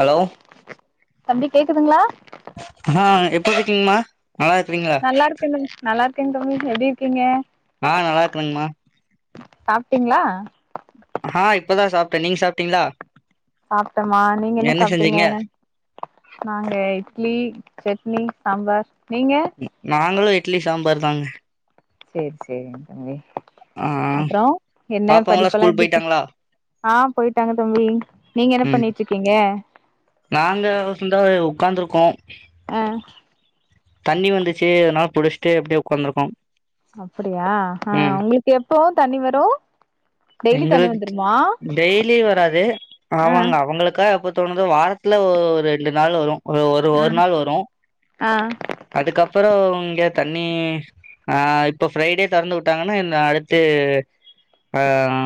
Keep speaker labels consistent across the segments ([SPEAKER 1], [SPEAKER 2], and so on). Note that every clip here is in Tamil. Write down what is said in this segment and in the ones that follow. [SPEAKER 1] ஹலோ
[SPEAKER 2] தம்பி கேக்குதுங்ளா
[SPEAKER 1] ஆ எப்புர்ருக்கீங்மா
[SPEAKER 2] நல்லாருக்கே தம் நல்லாருக்கேங் தம்பி எப்டிருக்கீங்க
[SPEAKER 1] ஆ நல்லாருக்கரங்மா
[SPEAKER 2] சாப்டிங்ளா
[SPEAKER 1] ஆ இப்பதா சாப்ட நீங் சாப்டிங்ளா
[SPEAKER 2] சாப்டமா நீங்க என்ன சாப்டிங்க நாங்க இட் ட்லி சட்னி சாம்பார் நீங்க
[SPEAKER 1] இ நாங்களு இட்லி சாம்பார் தாங்க
[SPEAKER 2] செரி செரிங்க தம்பி
[SPEAKER 1] ஆ
[SPEAKER 2] அப்றோ என்ன
[SPEAKER 1] பாப்பாங்களா
[SPEAKER 2] படிப்பெல்லா
[SPEAKER 1] ஸ்கூல்
[SPEAKER 2] எப்டி
[SPEAKER 1] போயிட்டாங்களா
[SPEAKER 2] ஆஹ் போயிட்டாங்க தம்பி நீங்க என்ன
[SPEAKER 1] ம்
[SPEAKER 2] பண்ணிட்டு இருக்கீங்க
[SPEAKER 1] நாங்க இந்தா உக்காந்துருக்கோம்
[SPEAKER 2] ஆ
[SPEAKER 1] தண்ணி வந்திச்சு அதனால புடிசிட்டு அப்டியே உக்காந்துருக்கோ
[SPEAKER 2] அப்படியா ஆன்
[SPEAKER 1] ம்
[SPEAKER 2] உங்களுக்கு எப்போ தண்ணி வரு டெய்லி தண்ணி
[SPEAKER 1] எங்களுக்கு
[SPEAKER 2] வந்துருமா
[SPEAKER 1] டெய்லி வராது
[SPEAKER 2] ஆ
[SPEAKER 1] ஆவங்க அவங்களுக்கா எப்பத் தோணுதோ வாரத்துல ஒ ஒரு ரெண்டு நாள் வரு ஒரு ஒரு
[SPEAKER 2] ஆ
[SPEAKER 1] ஒரு நாள் வரு
[SPEAKER 2] ஆ
[SPEAKER 1] அதுக்கப்பறோம் எத் தண்ணி ஆன் இப்போ ஃப்ரைடே தெறந்து விட்டாங்கன்னா இந்த அடுத்து ஆன்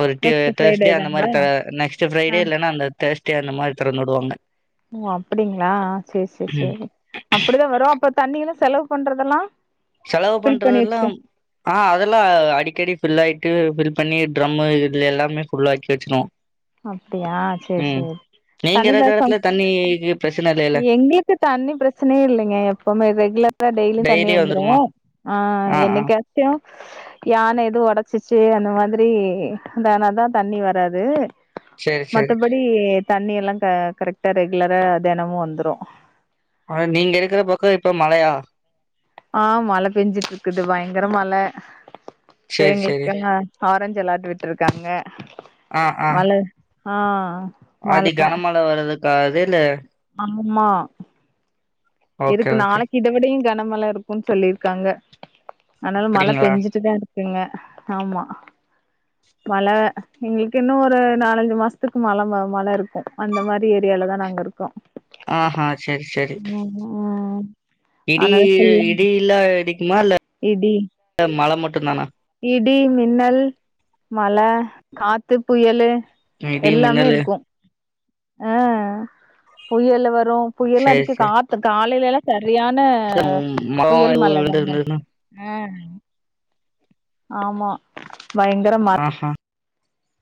[SPEAKER 1] ஒரு டே
[SPEAKER 2] நெக்ஸ்ட் ஃப்ரைடே
[SPEAKER 1] தேர்ஸ்டே அந்த
[SPEAKER 2] தாங்களா
[SPEAKER 1] மாரி த நெக்ஸ்ட்
[SPEAKER 2] ஆ
[SPEAKER 1] ஃப்ரைடே இல்லைன்னா அந்த தேர்ஸ் டே அந்த மாரி தெறந்துவுடுவாங்க
[SPEAKER 2] ஓ அப்டிங்ளா சேர் சேர்
[SPEAKER 1] ம்
[SPEAKER 2] செரி அப்டிதா வரும் அப்ப தண்ணியெல்லா செலவு பண்றதெல்லா
[SPEAKER 1] செலவு
[SPEAKER 2] ஃபில் பண்ணி வச்சுக்க
[SPEAKER 1] பண்றதெல்லாம் ஆஹ் அதெல்லாம் அடிக்கடி ஃபில்லாயிட் டு ஃபில் பண்ணி டிரம்மு இதுல எல்லாமே ஃபுல்லாக்கி வச்சிருவோ
[SPEAKER 2] அப்டியா சேரி
[SPEAKER 1] உம்
[SPEAKER 2] சேரி
[SPEAKER 1] நீங்க இருக்கர இடத்துல தண்ணி க்கு பிரஸ்
[SPEAKER 2] எங்குளுக்கு தண்ணி பிரச்சனேயே இல்லைங்க எப்பவுமே ரெகுலரா டெய்லியும் தண்ணி
[SPEAKER 1] டெய்லி
[SPEAKER 2] வந்துரு
[SPEAKER 1] வந்துருமா
[SPEAKER 2] ஆன்
[SPEAKER 1] ஆ ஆ
[SPEAKER 2] என்னைக்காச்சும் யான எதுவு உடைச்சிச் சி அந்த மாதிரி அந்த நா தா தண்ணி வராது
[SPEAKER 1] சேரி சேரி
[SPEAKER 2] மத்தபடி தண்ணி எல்லா க கரெக்டா ரெகுலரா தினமு வந்துரும்
[SPEAKER 1] ஆனா நீங்க இருக்கிற பக்கோ இப்ப மழையா
[SPEAKER 2] ஆன் மழ பெஞ்சிட்டு இருக்குது பயங்கர மழ ரே
[SPEAKER 1] சேரி சேரி
[SPEAKER 2] எங்களுக்கெள்ளா ஆரஞ்ச் அலார்ட் விட்டுருக்காங்க
[SPEAKER 1] ஆஹ் ஆஹ்
[SPEAKER 2] ஆஹ்
[SPEAKER 1] அதி கனமழ வர்துக்காவது
[SPEAKER 2] ஆமா
[SPEAKER 1] ஓகே
[SPEAKER 2] இருக்கு
[SPEAKER 1] ஓகே
[SPEAKER 2] நாளைக்கு இத விடையும் கனமழை இருக்கும் சொல்லிருக்காங்க அனால மழை
[SPEAKER 1] அப்படிங்களா
[SPEAKER 2] பெஞ்சிட்டு தா இருக்குங்க ஆமா மழை எங்களுக்கு இன்னும் ஒரு நாலஞ்சு மாசதுக்கு மழை மழை இருக்கும் அந்த மாரி ஏரியால தான் நாங்க இருக்கோ
[SPEAKER 1] ஆஹ்ஹா செரி செரி
[SPEAKER 2] ம் ம்
[SPEAKER 1] இடி
[SPEAKER 2] ஆனால ஃபுல்லா
[SPEAKER 1] இடில்லா இடிக்குமா
[SPEAKER 2] இடி
[SPEAKER 1] இல்ல மழை மட்டும் தானா
[SPEAKER 2] இடி மின்னல் மழ காத்து புயலு
[SPEAKER 1] இடி
[SPEAKER 2] எல்லாமே
[SPEAKER 1] மின்னலு
[SPEAKER 2] இருக்கும் அஹ் ஆ புயலு வர் ரோ புயல்
[SPEAKER 1] சேரி
[SPEAKER 2] அடிக்கு
[SPEAKER 1] சேரி
[SPEAKER 2] காத்து காலையில எல்லா செ ரியான
[SPEAKER 1] மரோ
[SPEAKER 2] புயல்
[SPEAKER 1] எதுவு
[SPEAKER 2] மழ தாங்க
[SPEAKER 1] விழுந்திருந்ததுன்னா
[SPEAKER 2] ஆஹ் ஆமா பயங்கர ம
[SPEAKER 1] ஆஹா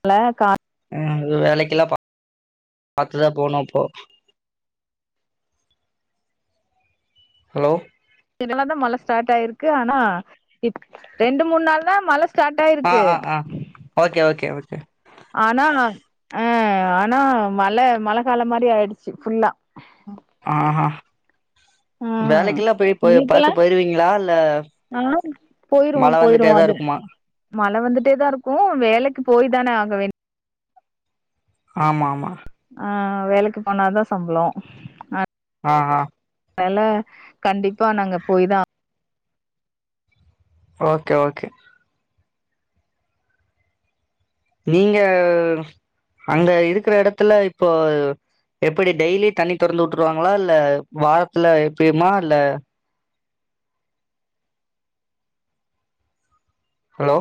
[SPEAKER 2] ழ காத்
[SPEAKER 1] உம் து வேலைக்கெல்லா பா பாத்துதா போனும் அப்போ ஹலோ
[SPEAKER 2] டயில்லா தா மழை ஸ்டார்ட் ஆயிருக்கு ஆனா இப் ரெண்டு மூண் நாள் தா மழ ஸ் ஸார்ட்
[SPEAKER 1] ஆ
[SPEAKER 2] ஆயிருக்கு
[SPEAKER 1] ஆ ஆ ஓகே ஓகே ஓகே
[SPEAKER 2] ஆனா நா ம் ஆனா மழ மழ காலம் மாரி ஆயிடுச்சு ஃபுல்லா
[SPEAKER 1] ஆஹ் ஹா
[SPEAKER 2] ம்
[SPEAKER 1] வேலைக்கெல்லா போய் ப்போ
[SPEAKER 2] உங்களுக்கெல்லா
[SPEAKER 1] பாத்து போயிருவீங்களா இல்ல
[SPEAKER 2] ஆ போயிருவோ
[SPEAKER 1] மழ
[SPEAKER 2] போயிருவோ
[SPEAKER 1] வந்துட்டேதா
[SPEAKER 2] அது
[SPEAKER 1] இருக்குமா
[SPEAKER 2] மழ வந்துட்டே தா இருக்கு வேலைக்கு போய் தானே ஆக வேண்
[SPEAKER 1] ஆமா ஆமா
[SPEAKER 2] ஆ வேலைக்கு போனா தா சம்பளோ ஆ
[SPEAKER 1] ஆ அ
[SPEAKER 2] அதலால கண்டிப்பா நாங்க போய் தா
[SPEAKER 1] ஓகே ஓகே நீங்க அங்க இருக்கிற எடத்துல இப்போ எப்படி டெய்லி தண்ணி தொறந்து உட்டுருவாங்களா இல்ல வாரத்துல எப்பயுமா இல்ல ஹலோ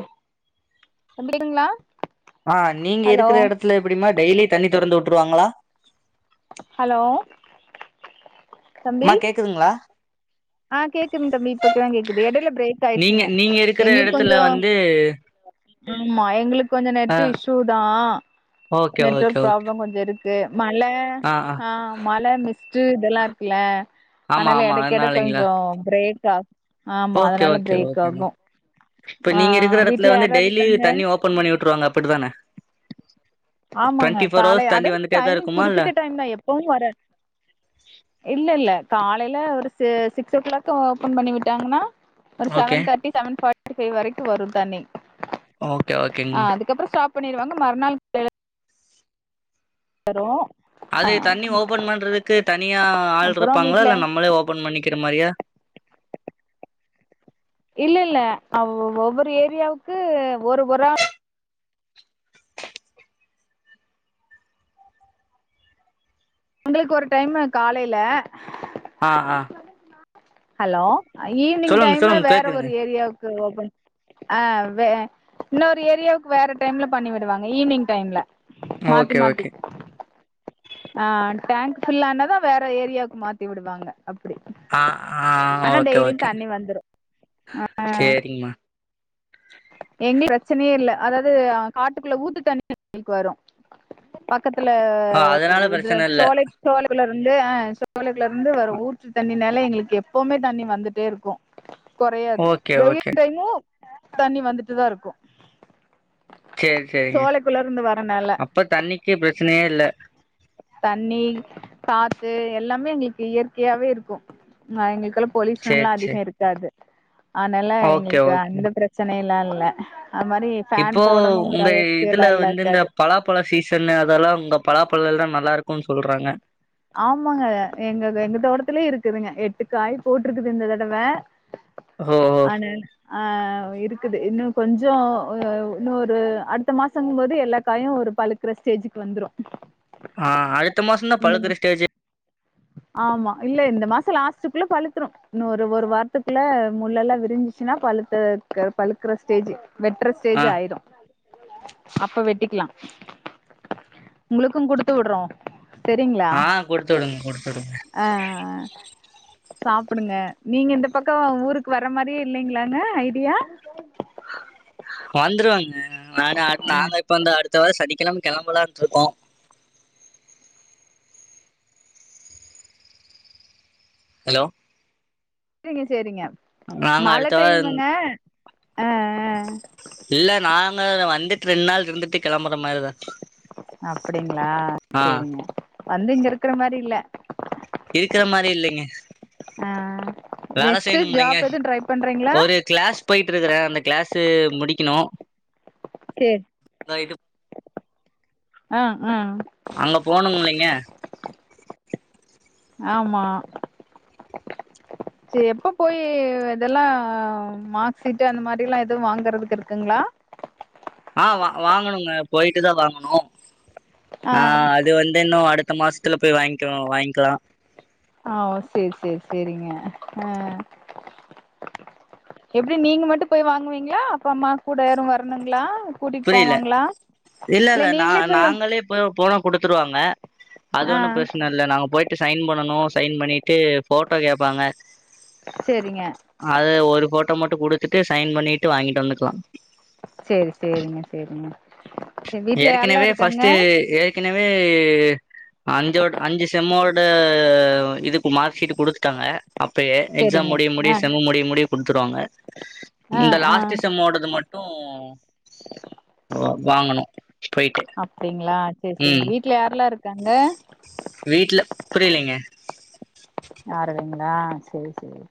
[SPEAKER 2] [unintelligible] ங்களா
[SPEAKER 1] ஆ நீங்க இருக்குற எடத்துல எப்படிமா டெய்லி தண்ணி தொறந்து உட்ருவாங்களா
[SPEAKER 2] ஹலோ தம்பி
[SPEAKER 1] ம்மா கேக்குதுங்களா
[SPEAKER 2] ஆ கேக்குதுங்க தம்பி இப்பதா கேக்குது எடையில கொஞ்ச பிரேக்
[SPEAKER 1] நீங்க
[SPEAKER 2] ஆயிடுச்சுங்க
[SPEAKER 1] நீங்க இருக்கிற
[SPEAKER 2] எங்களுக்கு கொஞ்ச
[SPEAKER 1] இடத்துல [inaudible]
[SPEAKER 2] ஆம்மா எங்களுக்கு கொஞ்ச
[SPEAKER 1] ஆ
[SPEAKER 2] நெட்டு் இஷ்யூ தா
[SPEAKER 1] okay okay
[SPEAKER 2] network
[SPEAKER 1] okay
[SPEAKER 2] problem கொஞ்ச இருக்கு மழை ஆ மழை மிஸ்ட்டு இதெல்லா இருக்குல
[SPEAKER 1] ஆமா ஆமா என்ன
[SPEAKER 2] கொஞ்ச பிரேக் ஆ ஆமா
[SPEAKER 1] ஓகே
[SPEAKER 2] அதனால
[SPEAKER 1] ஓகே
[SPEAKER 2] பிரேக்
[SPEAKER 1] ஓகே
[SPEAKER 2] ஆகு
[SPEAKER 1] மேம் இப்ப
[SPEAKER 2] ஆ
[SPEAKER 1] நீங்க இருக்கிற
[SPEAKER 2] வீட்ல
[SPEAKER 1] எடத்துல வந்து
[SPEAKER 2] யார்யார்
[SPEAKER 1] டெய்லி
[SPEAKER 2] இருக்காங்க
[SPEAKER 1] தண்ணி ஓபன் பண்ணி உட்ருவாங்க அப்படித்தானே
[SPEAKER 2] ஆமாங்க காலை
[SPEAKER 1] தண்ணி
[SPEAKER 2] அதாவது
[SPEAKER 1] வந்துட்டே தான்
[SPEAKER 2] டைமிங்
[SPEAKER 1] இருக்குமா இல்ல
[SPEAKER 2] குறிப்பிட்ட டைம் தா எப்பவும் வர இல்ல இல்ல கால் லைல ஒரு சிக்ஸ் ஓ கிளாக் ஓபன் பண்ணி விட்டாங்கன்னா ஒரு
[SPEAKER 1] ஓகே
[SPEAKER 2] செவன் தேர்ட்டி செவன் பாட் ஃபை வரைக்கு வரு தண்ணி
[SPEAKER 1] ஓகே
[SPEAKER 2] ஆ
[SPEAKER 1] ஓகேங்மா
[SPEAKER 2] அதுக்கப்றோ ஸ்டாப் பண்ணிருவாங்க மறுநாள் கா வரு
[SPEAKER 1] அது தண்ணி ஓபன் பண்றதுக்கு தனியா ஆள்
[SPEAKER 2] அப்றோ
[SPEAKER 1] இருப்பாங்களா
[SPEAKER 2] வீட்ல
[SPEAKER 1] இல்ல நம்மளே ஓபன் பண்ணிக்கிற மாரியா
[SPEAKER 2] இல்ல இல்ல ஒவ்வொரு ஏரியாவுக்கு ஒரு‌ஒரு ஆள் எங்களுக்கு ஒரு டைமு காலையில
[SPEAKER 1] ஆ ஆ
[SPEAKER 2] ஹலோ ஈவி்னிங்
[SPEAKER 1] சொல்லுங்க
[SPEAKER 2] டைம்
[SPEAKER 1] சொல்லுங்க
[SPEAKER 2] வேற
[SPEAKER 1] கேக்குதுங்க
[SPEAKER 2] ஒரு ஏரியாவுக்கு ஓப்பன் ஆ வே இன்னொரு ஏரியாவுக்கு வேற டைம்ல பண்ணிவிடுவாங்க ஈவினிங் டைம்ல மாத்தி
[SPEAKER 1] ஓகே
[SPEAKER 2] மாத்தி
[SPEAKER 1] ஓகே
[SPEAKER 2] ஆ டேங்க் ஃபுல்லானது வேற ஏரியாவுக்கு மாத்தி விடுவாங்க அப்டி
[SPEAKER 1] ஆ ஆ
[SPEAKER 2] ஆனா
[SPEAKER 1] ஓகே
[SPEAKER 2] டெய்லியு
[SPEAKER 1] ஓகே
[SPEAKER 2] தண்ணி வந்துரு
[SPEAKER 1] சேரிங்மா
[SPEAKER 2] எங்கு பிரச்சனையே இல்ல அதாவது காட்டுக்குள்ள ஊத்து தண்ணி எங்களுக்கு வரு பக்கத்துல
[SPEAKER 1] ஆ அதனால
[SPEAKER 2] இது
[SPEAKER 1] பிரச்சன இல்ல
[SPEAKER 2] சோலை சோலைக்குள்ள இருந்து ஆ சோலைக்குல இருந்து வரு ஊற்று தண்ணினால எங்களுக்கு எப்பவுமே தண்ணி வந்துட்டே இருக்கு கொறையாது
[SPEAKER 1] ஓகே
[SPEAKER 2] வெயி
[SPEAKER 1] ஓகே
[SPEAKER 2] டைமும் தண்ணி வந்துட்தா இருக்கு
[SPEAKER 1] சேரி சேரிங்க
[SPEAKER 2] சோலைக்குள்ள இருந்து வரனால
[SPEAKER 1] அப்ப தண்ணிக்கு பிரச்சனையே இல்ல
[SPEAKER 2] தண்ணி காத்து எல்லாமே எங்களுக்கு இயற்கையாவே இருக்கு எங்களுக் பொலுயூஷன்
[SPEAKER 1] சேரி
[SPEAKER 2] எல்லா அதிக
[SPEAKER 1] சேரி
[SPEAKER 2] இருக்காது அனால
[SPEAKER 1] ஓகே
[SPEAKER 2] எங்களுக்கு
[SPEAKER 1] ஓகே
[SPEAKER 2] அந்த பிரச்சனை எல்லா இல்ல அது மாரி
[SPEAKER 1] இப்போ
[SPEAKER 2] ஃபேன் போடணுங்கிற
[SPEAKER 1] உங்க இதுல
[SPEAKER 2] அவசியல்லா இல்ல
[SPEAKER 1] வந்து இந்த
[SPEAKER 2] இருக்காது
[SPEAKER 1] பலாப்பழ சீசன் அதெல்லா உங்க பலா பழல்லா நல்லா இருக்குன்னு சொல்றாங்க
[SPEAKER 2] ஆமாங்க எங்க எங்க தோட்டத்துலயே இருக்குதுங்க எட்டுக்காய் போட்ருக்குது இந்த தடவ
[SPEAKER 1] ஹோ ஹோ
[SPEAKER 2] அ இருக்குது இன்னு கொஞ்சோ ஒ இன்னு ஒரு அடுத்த மாசங்போது எல்லா காயு ஒரு பழுக்குற ஸ்டேஜுக் வந்துரு
[SPEAKER 1] ஆ அடுத்த மாசந்தா பழுக்கற ஸ்டேஜே
[SPEAKER 2] ஆமா இல்ல இந்த மாச லாஸ்ட்டுக்குள்ள பழுத்துரு இன்னு ஒரு ஒரு வாரத்துக்குள்ள முள்ளல்லா விரி ச்சினா பழுத்த க பழுக்கற ஸ்டேஜி வெட்ற
[SPEAKER 1] ஆ
[SPEAKER 2] ஸ்டேஜு ஆயிரு அப்ப வெட்டிக்லா உங்குளுக்கு குடுத்து உட்றோ
[SPEAKER 1] ஆ குடுத்துடுங் குடு
[SPEAKER 2] அ அ அ சாப்புடுங்க நீங்க இந்த பக்கோ ஊருக்கு வர மாரியே இல்லிங்ளாங்க ஐடியா [inaudible]
[SPEAKER 1] வந்துருவாங்க நானு அ நானு இப்ப இந்த அடுத்த வார சனிக்கெழம கெளம்பலாண்ட்ருக்கோ ஹலோ
[SPEAKER 2] ரிங்க சேரிங்க
[SPEAKER 1] நாங்க
[SPEAKER 2] மழ
[SPEAKER 1] அடுத்த வார
[SPEAKER 2] டைமுங்க ஆ
[SPEAKER 1] இல்ல நாங்க வந்துட்டு ரெண் நாள் இருந்துட்டு கெளம்ப
[SPEAKER 2] அப்பிடிங்ளா
[SPEAKER 1] ஆ
[SPEAKER 2] சேரிங்க வந்து இங்க இருக்ற மாரி இல்ல
[SPEAKER 1] இருக்கற மாரி இல்லீங்க
[SPEAKER 2] அ அ
[SPEAKER 1] வேல செய்ணுமில்லீங்க ஒரு கிளாஸ் போயிட்ருக்கறே அந்த கிளாஸ் ட்டு முடிக்கிணு
[SPEAKER 2] சேரி அ
[SPEAKER 1] அங்க போணுங் மில்லைங்க
[SPEAKER 2] ஆமா சே எப்ப போயி இதல்லா மாக் சீட்டு அந்த மாரில்லா எதுவு வாங்கறதுக்கு இருக்குங் ளா
[SPEAKER 1] ஆ வா வாங்கணுங்க போயிட்டு தா வாங்கணு ஆ அது வந்து இன்னு அடுத் த மாசத்துல போய் வாய்ங்கு வாய்ங்க்லா
[SPEAKER 2] ஆ ஓ சேர் சேர் சேரிங்க அ எப்டி நீங்க மட்டு போய் வாங்குவிங்ளா அப்பா அம்மா கூட யாரு வர்ணுங்ளா
[SPEAKER 1] புரில இல்லல்ல நா
[SPEAKER 2] நீங்களே போய்
[SPEAKER 1] நாங்களே [unintelligible] போனா குடுத்துருவாங்க அது
[SPEAKER 2] ஆ
[SPEAKER 1] ஒன்னு பிரச்ன இல்ல நாங்க போயிட்டு சைன் பண்ணனு சைன் பண்ணிட்டு ஃபோட்டோ கேப்பாங்க
[SPEAKER 2] சேரிங்க
[SPEAKER 1] அது ஒரு ஃபோட்டோ மட்டு குடு த்துட்டு சைன் பண்ணிட்டு வாங்கிட்டு வந்துக்லா
[SPEAKER 2] சேரி சேரிங்க சேரிங்க சரி வீட்ல யாரெல்லா
[SPEAKER 1] ஏற்கெனவே
[SPEAKER 2] இருக்காங்க
[SPEAKER 1] ஃபஸ்ட்டு ஏற்கெனவே அஞ்சோட அஞ்சு செம்மோட இதுக்கு மார்க் ஷீட்டு குடுத்துட்டாங்க அப்பயே எக்ஸாம்
[SPEAKER 2] சேரிங்க
[SPEAKER 1] முடிய முடிய
[SPEAKER 2] ஆ
[SPEAKER 1] செம்மு முடிய முடிய குட்த்துருவாங்க
[SPEAKER 2] ஆ
[SPEAKER 1] இந்த
[SPEAKER 2] ஆ
[SPEAKER 1] லாஸ்ட்டு செம்மோடது மட்டு போயிட்டு
[SPEAKER 2] அப்டிங்ளா செரி செரி
[SPEAKER 1] ம்
[SPEAKER 2] வீட்ல யார்ல்லா இரு க்காங்க
[SPEAKER 1] புரிலீங்க
[SPEAKER 2] ஆறதுங்ளா சேரி சேரி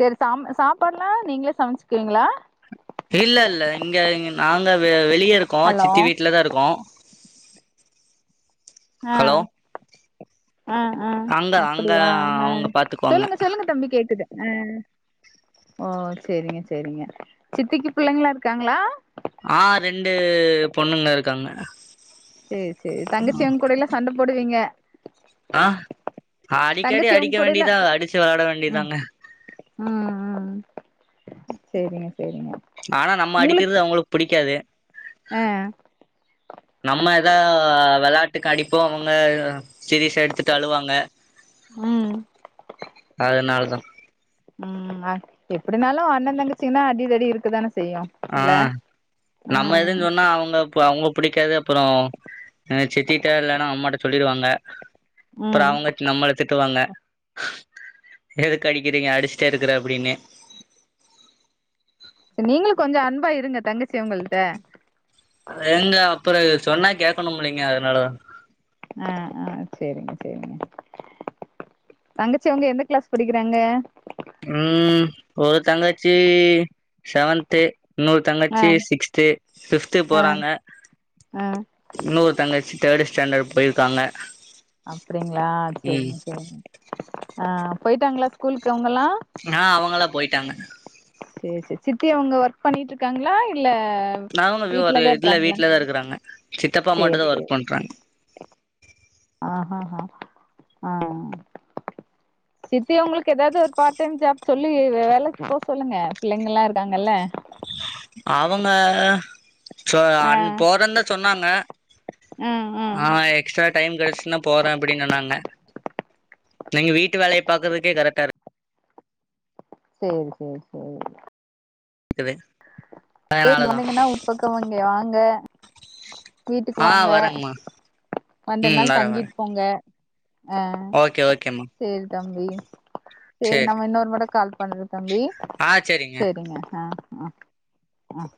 [SPEAKER 2] செரி சாம் சாப்பாட்லா நீங்ளே சமச்க்வீங்ளா
[SPEAKER 1] இல்லல்ல இங்கங் நாங்க வெ வெளிய இருக்கோ
[SPEAKER 2] ஹலோ
[SPEAKER 1] சித்தி வீட்ல தா இருக்கோ
[SPEAKER 2] அ
[SPEAKER 1] ஹலோ
[SPEAKER 2] அ அ
[SPEAKER 1] அங்க அங்க
[SPEAKER 2] அப்பிடியா அ
[SPEAKER 1] அவங்க பாத்துக்குவாங்க
[SPEAKER 2] சொல்லுங்க சொல்லுங்க தம்பி கேக்குது அ ஓ செரிங்க செரிங்க சித்திக்கு பிள்ளைங்கள்லா இருக்காங்களா
[SPEAKER 1] ஆ ரெண்டு பொண்ணுங்க இருக்காங்க
[SPEAKER 2] சேர் சேர் தங்கச்சியவுங் கூட எல்லா சண்ட போடுவீங்க
[SPEAKER 1] ஆ அடிக்கடி
[SPEAKER 2] தங்கச்சி அவங்க
[SPEAKER 1] அடிக்க
[SPEAKER 2] கூடல்லா
[SPEAKER 1] வேண்டியதா அடிச்சி விளையாட
[SPEAKER 2] ம்
[SPEAKER 1] வேண்டியதாங்க
[SPEAKER 2] ம் ம் சேரிங்க சேரிங்க
[SPEAKER 1] ஆனா நம்ம
[SPEAKER 2] உங்களுக்
[SPEAKER 1] அடிக்கிறது அவங்களுக்கு புடிக்காது
[SPEAKER 2] அ
[SPEAKER 1] நம்ம ஏதா விளையாட்டுக்கு அடிப்போ அவுங்க சீரியசா எடுத்துட்டு அழுவாங்க
[SPEAKER 2] ம்
[SPEAKER 1] அதனாலதா
[SPEAKER 2] ம் எப்டினாலு அண்ணன் தங்கச்சிங்கன்னா அடிதடி இருக்குதானே செய்யு
[SPEAKER 1] ஆ
[SPEAKER 2] இல்ல
[SPEAKER 1] நம்ம
[SPEAKER 2] ம்
[SPEAKER 1] எதுன்னு சொன்னா அவங்க அவங்க புடிக்காது அப்புறோ அ சித்திட்ட இல்லன்னா அம்மாட்ட சொல்லிருவாங்க அப்புறோ
[SPEAKER 2] ம்
[SPEAKER 1] அவுங்க நம்மள திட்டுவாங்க எதுக்கு அடிக்கிறீங்க அடிச்சிட்டே இருக்கற அப்டின்னு
[SPEAKER 2] சேர் நீங்களு கொஞ்சோ அன்பா இருங்க தங்கச்சி அவுங்கள்ட
[SPEAKER 1] எங்க அப்புறோ சொன்னா கேட்கணும்லைங்க அதனால
[SPEAKER 2] அ அ செரிங்க செரிங்க தங்கச்சி அவுங்க எந்த கிளாஸ் படிக்கிறாங்க
[SPEAKER 1] ம் ஒரு தங்காச்சி செவன்து இன்னொரு
[SPEAKER 2] ஆ
[SPEAKER 1] தங்கச்சி சிக்ஸ்த்து ஃபிப்த்து
[SPEAKER 2] ஆ
[SPEAKER 1] போறாங்க
[SPEAKER 2] ஆ
[SPEAKER 1] உன்னொரு தங்கச்சி தேர்டு ஸ்டாண்டர்ட் போயிருக்காங்க
[SPEAKER 2] அப்டிங்களா
[SPEAKER 1] ம்
[SPEAKER 2] செரிங்க செரிங்க ஆ போயிட்டாங்களா ஸ்கூலுக்கு அவங்கல்லா
[SPEAKER 1] ஆ அவுங்களா போயிட்டாங்க
[SPEAKER 2] செரி செரி சித்தி அவுங்க ஒர்க் பண்ணிட்டு இருக்காங்களா இல் ல
[SPEAKER 1] அவங்க ஒரு
[SPEAKER 2] வீட்டுலதா
[SPEAKER 1] இதுல
[SPEAKER 2] இருக்காங்களா
[SPEAKER 1] வீட்லதா இருக்கறாங்க சித்தப்பா
[SPEAKER 2] செரி
[SPEAKER 1] மட்டுந்தா
[SPEAKER 2] செரி
[SPEAKER 1] ஒர்க் பண்றாங்க
[SPEAKER 2] அ அ ஆ அ சித்தி அவுங்களுக்கு ஏதாது ஒரு பார்ட் டைம் ஜாப் சொல்லி வேலைக்கு போ சொல்லுங்க பிள்ளைங்கல்லா இருக்காங்கல்ல
[SPEAKER 1] அவங்க சொ
[SPEAKER 2] ஆ
[SPEAKER 1] அன் போறேன் தா சொன்னாங்க
[SPEAKER 2] ம் ம்
[SPEAKER 1] அ எக்ஸ்ட்ரா டைம் கிடைச்சின்னா போறே அப்டின்னு சொன்னாங்க நீங்க வீட்டு வேலைய பாக்குறதுக்கே கரெக்டா இரு
[SPEAKER 2] சேரி சேரி சேரி
[SPEAKER 1] இருக்குது
[SPEAKER 2] எ இங்க
[SPEAKER 1] அதனாலதா
[SPEAKER 2] வந்தீங்கன்னா வீட்பக்கோ இங்க வாங்க வீட்டுக்கு
[SPEAKER 1] ஆ
[SPEAKER 2] வாங்க
[SPEAKER 1] வரேங்கம்மா
[SPEAKER 2] வந்து ரெண்டு
[SPEAKER 1] ம்
[SPEAKER 2] நாள்
[SPEAKER 1] வரே வரே
[SPEAKER 2] தங்கிட்டு போங்க ஆ
[SPEAKER 1] ஓகே ஓகேம்மா
[SPEAKER 2] சேரி தம்பி சேரி நம்ம இன்னொரு முறை கால் பண்ற தம்பி
[SPEAKER 1] ஆ சேரிங்க
[SPEAKER 2] செரிங்க அ அ அ